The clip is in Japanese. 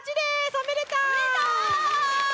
おめでとう！